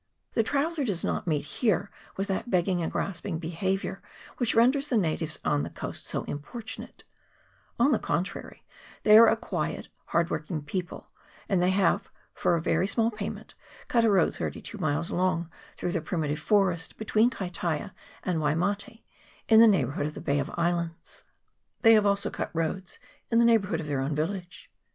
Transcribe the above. The traveller does not meet here with that begging and grasping behaviour which renders the natives on the coast so importunate ; on the con trary, they are a quiet hard working people, and they have, for a very small payment, cut a road thirty two miles long through the primitive forest, between Kaitaia and Waimate, in the neighbourhood of the Bay of Islands ; they have also . cut roads in the neighbourhood of their own village.